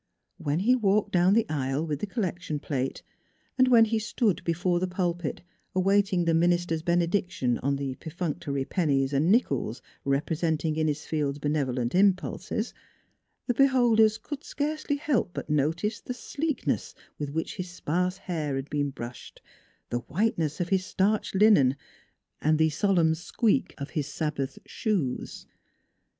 When he walked down the aisle with the collection plate, and when he stood before the pulpit, awaiting the minister's benediction on the perfunctory pennies and nickels representing Innisfield's benevolent impulses, the beholders could scarcely help but notice the sleek ness with which his sparse hair had been brushed, io 4 NEIGHBORS the whiteness of his starched linen and the solemn squeak of his Sabbath shoes.